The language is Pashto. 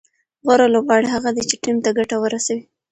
غوره لوبغاړی هغه دئ، چي ټیم ته ګټه ورسوي.